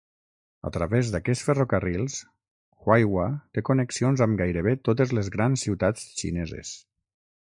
A través d'aquests ferrocarrils, Huaihua té connexions amb gairebé totes les grans ciutats xineses.